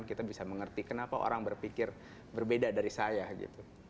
kita bisa mengerti kenapa orang berpikir berbeda dari saya gitu